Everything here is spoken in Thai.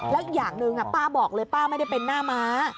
แล้วอย่างหนึ่งป้าบอกเลยป้าไม่ได้เป็นหน้าม้า